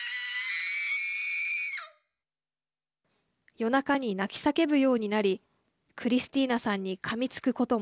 夜中に泣き叫ぶようになりクリスティーナさんにかみつくことも。